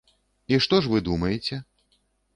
І што ж вы думаеце?